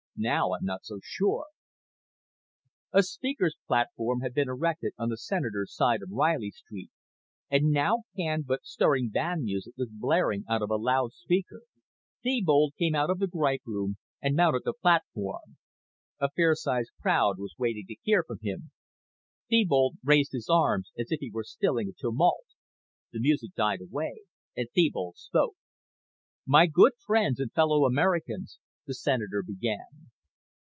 Now I'm not so sure." A speaker's platform had been erected on the Senator's side of Reilly Street, and now canned but stirring band music was blaring out of a loudspeaker. Thebold came out of the Gripe Room and mounted the platform. A fair sized crowd was waiting to hear him. Thebold raised his arms as if he were stilling a tumult. The music died away and Thebold spoke. "My good friends and fellow Americans," the Senator began.